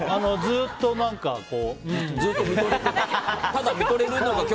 何か、ずっと見とれてた。